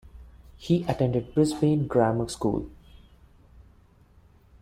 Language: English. He attended Brisbane Grammar School.